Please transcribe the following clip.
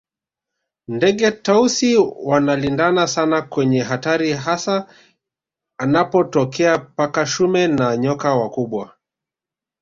Ndege Tausi wanalindana sana kwenye hatari hasa anapotokea paka shume na nyoka wakubwa